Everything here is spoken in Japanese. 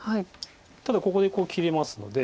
ただここでこう切れますので。